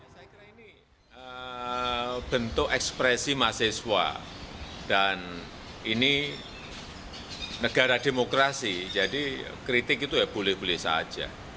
saya kira ini bentuk ekspresi mahasiswa dan ini negara demokrasi jadi kritik itu ya boleh boleh saja